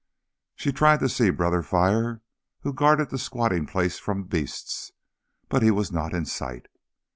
She tried to see Brother Fire, who guarded the squatting place from beasts, but he was not in sight.